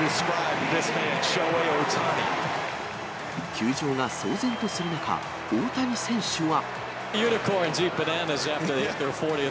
球場が騒然とする中、大谷選手は。